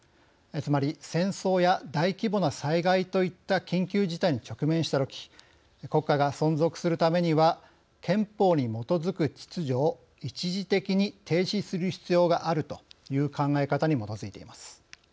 つまり、戦争や大規模な災害といった緊急事態に直面したとき国家が存続するためには憲法に基づく秩序を一時的に停止する必要があるという考え方に基づいています。